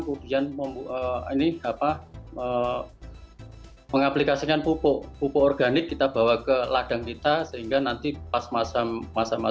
kemudian mengaplikasikan pupuk organik kita bawa ke ladang kita sehingga nanti pas masa masa